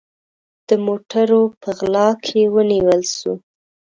د موټروپه غلا کې ونیول سو